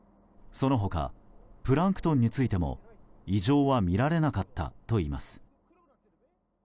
その他、プランクトンについても異常は見られなかったといいます。